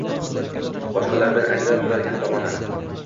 boshqalardan ajralib turadigan tomoni